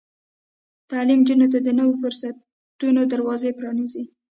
تعلیم نجونو ته د نويو فرصتونو دروازې پرانیزي.